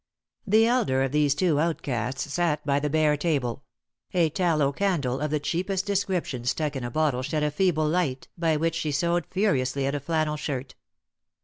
The elder of these two outcasts sat by the bare table; a tallow candle of the cheapest description stuck in a bottle shed a feeble tight, by which she sewed furiously at a flannel shirt.